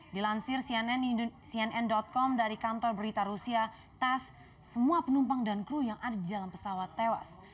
dilansir cnn com dari kantor berita rusia tas semua penumpang dan kru yang ada di dalam pesawat tewas